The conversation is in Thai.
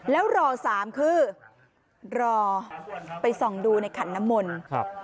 แล้วรอ๓คือรอไปส่องดูในขันนมนต์